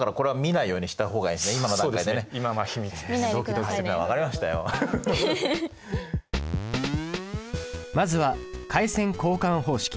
まずは回線交換方式。